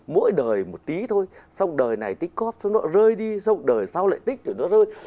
mỗi đời một tí thôi xong đời này tích cóp xong đó rơi đi xong đời sau lại tích rồi nó rơi